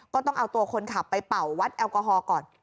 ต้องเอาตัวคนขับไปเป่าวัดแอลกอฮอลก่อน